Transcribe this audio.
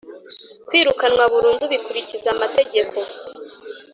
Kwirukanwa burundu bikurikiza amategeko.